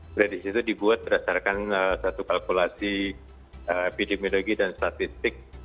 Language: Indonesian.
prediksi itu dibuat berdasarkan satu kalkulasi epidemiologi dan statistik